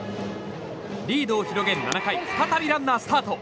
リードを広げる７回再びランナースタート。